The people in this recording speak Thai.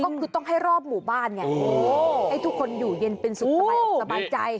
ก็คือต้องให้รอบหมู่บ้านไงให้ทุกคนอยู่เย็นเป็นสุขสบายอกสบายใจ